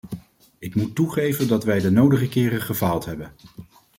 Ik moet toegeven dat wij de nodige keren gefaald hebben.